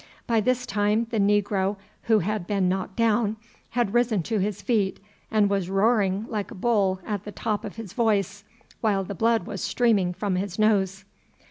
By this time the negro who had been knocked down had risen to his feet and was roaring like a bull at the top of his voice, while the blood was streaming from his nose.